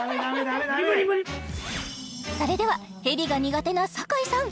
それではヘビが苦手な坂井さん